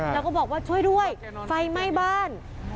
แล้วก็บอกว่าช่วยด้วยไฟไหม้บ้าน